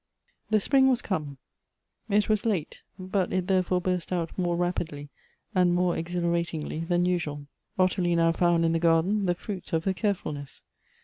THE spring was come ; it was late, but it therefore burst out more rapidly and more exhilaratingly than usual. Ottilie now found in the garden the fruits of her carefulness.